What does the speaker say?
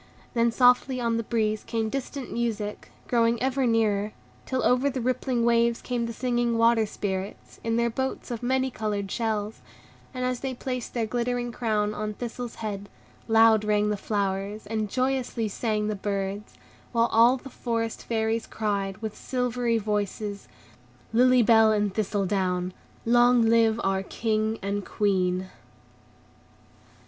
Then softly on the breeze came distant music, growing ever nearer, till over the rippling waves came the singing Water Spirits, in their boats of many colored shells; and as they placed their glittering crown on Thistle's head, loud rang the flowers, and joyously sang the birds, while all the Forest Fairies cried, with silvery voices, "Lily Bell and Thistledown! Long live our King and Queen!"